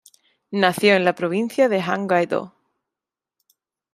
Nació en la provincia de Hwanghae-do.